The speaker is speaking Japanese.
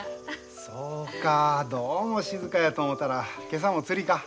そうかどうも静かやと思たら今朝も釣りか。